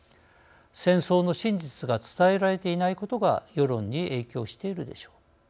戦争の真実が伝えられていないことが世論に影響しているでしょう。